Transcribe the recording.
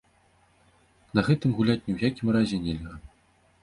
На гэтым гуляць ні ў якім разе нельга!